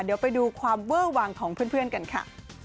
เดี๋ยวไปดูความเวอร์วางของเพื่อนกันค่ะ